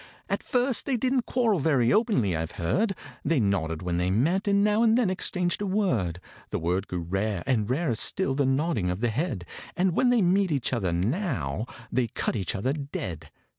At first they didn't quarrel very openly, I've heard; They nodded when they met, and now and then exchanged a word: The word grew rare, and rarer still the nodding of the head, And when they meet each other now, they cut each other dead.